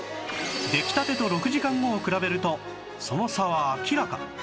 出来たてと６時間後を比べるとその差は明らか